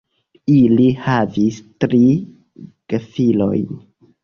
Ili havis tri gefilojn.